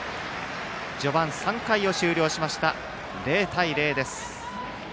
序盤３回を終了して０対０です。